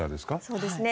そうですね。